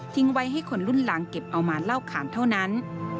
ไว้ให้คนรุ่นหลังเก็บเอามาเล่าขานเท่านั้น